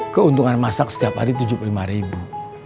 keuntungan masak setiap hari tujuh puluh lima ribu